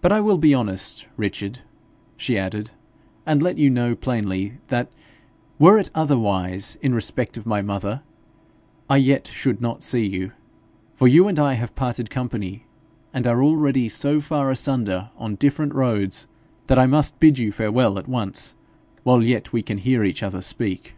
'But I will be honest, Richard,' she added, 'and let you know plainly that, were it otherwise in respect of my mother, I yet should not see you, for you and I have parted company, and are already so far asunder on different roads that I must bid you farewell at once while yet we can hear each other speak.'